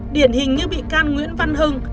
điển hình như bị can nguyễn văn hưng